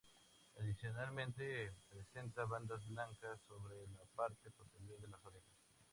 Adicionalmente, presenta bandas blancas sobre la parte posterior de las orejas.